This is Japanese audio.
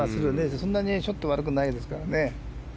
そんなにショットは悪くないですからね。